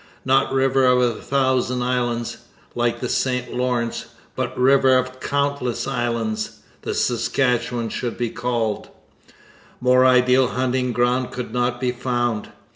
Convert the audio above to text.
Not river of the Thousand Islands, like the St Lawrence, but river of Countless Islands, the Saskatchewan should be called. More ideal hunting ground could not be found.